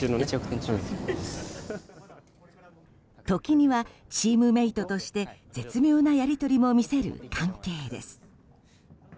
時にはチームメートとして絶妙なやり取りも見せる関係です。